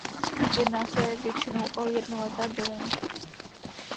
Jedná se většinou o jednoleté byliny.